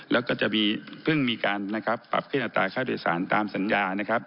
แล้วก็จะเพิ่งมีการปรับขึ้นอัตราค่าโดยสารตามสัญญา